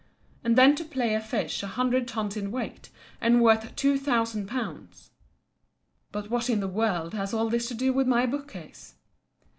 And then to play a fish a hundred tons in weight, and worth two thousand pounds—but what in the world has all this to do with my bookcase?